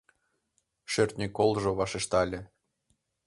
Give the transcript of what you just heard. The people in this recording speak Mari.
Шӧртньӧ колжо вашештале: